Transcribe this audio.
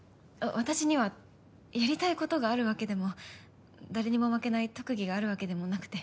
私にはやりたいことがあるわけでも誰にも負けない特技があるわけでもなくて。